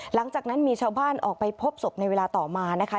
หลังจากนั้นมีชาวบ้านออกไปพบศพในเวลาต่อมานะคะ